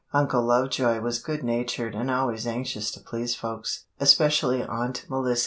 Uncle Lovejoy was good natured and always anxious to please folks, especially Aunt Melissy."